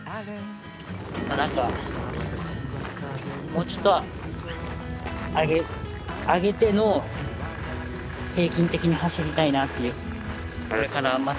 もうちょっと上げての平均的に走りたいなっていう。